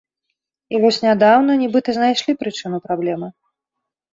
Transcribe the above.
І вось нядаўна нібыта знайшлі прычыну праблемы.